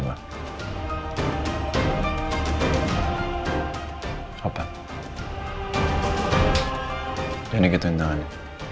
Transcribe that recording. dan ini kita yang tangani